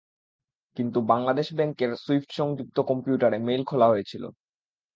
কিন্তু বাংলাদেশ ব্যাংকের সুইফট সংযুক্ত কম্পিউটারে মেইল খোলা হয়েছিল।